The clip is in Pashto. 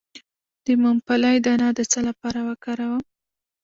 د ممپلی دانه د څه لپاره وکاروم؟